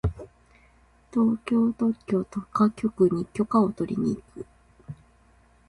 東京特許許可局に特許をとりに行く。